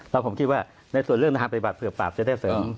แล้วผมคิดว่าในส่วนเรื่องทางปฏิบัติเผื่อปราบจะได้เสริม